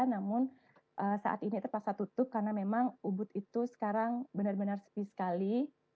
namun saat ini terpaksa tutup karena memang ubud itu sekarang benar benar sepi sekali